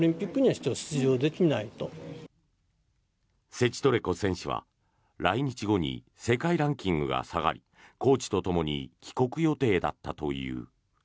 セチトレコ選手は来日後に世界ランキングが下がりコーチとともに帰国予定だったという。